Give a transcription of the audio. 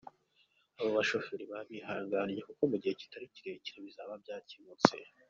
Abo bashoferi babe bihanganye kuko mu gihe kitari kirekire bizaba byakemutse.